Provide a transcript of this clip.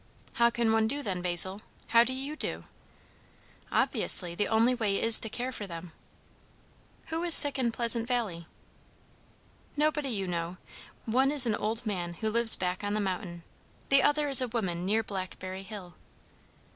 "How can one do then, Basil? How do you do?" "Obviously, the only way is to care for them." "Who is sick in Pleasant Valley?" "Nobody you know. One is an old man who lives back on the mountain; the other is a woman near Blackberry hill."